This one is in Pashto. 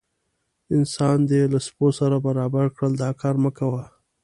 انسان دې له سپو سره برابر کړل دا کار مه کوه.